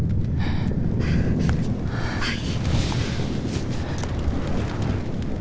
はい。